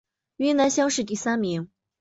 云南乡试第三名。